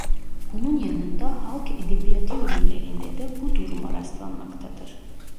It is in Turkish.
Bunun yanında halk edebiyatı ürünlerinde de bu duruma rastlanmaktadır.